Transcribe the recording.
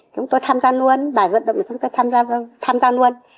chúng tôi tham gia luôn bà vận động chúng tôi tham gia luôn